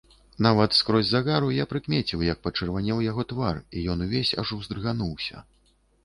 Нават скрозь загару я прыкмеціў, як пачырванеў яго твар, і ён увесь аж уздрыгануўся.